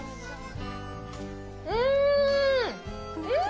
うん！